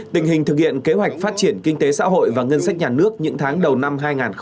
tình hình thực hiện kế hoạch phát triển kinh tế xã hội và ngân sách nhà nước những tháng đầu năm hai nghìn hai mươi